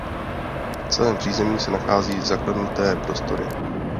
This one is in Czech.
V celém přízemí se nachází zaklenuté prostory.